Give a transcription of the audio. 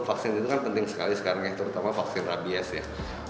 vaksin itu kan penting sekali sekarang ya terutama vaksin rabies ya